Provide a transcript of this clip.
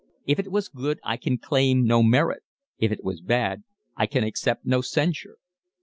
If it was good I can claim no merit; if it was bad I can accept no censure."